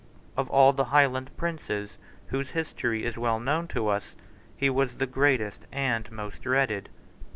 Of all the Highland princes whose history is well known to us he was the greatest and most dreaded.